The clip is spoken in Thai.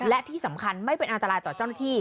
และที่สำคัญไม่เป็นอันตรายต่อเจ้าหน้าที่